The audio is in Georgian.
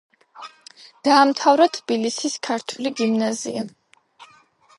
დაამთავრა თბილისის ქართული გიმნაზია.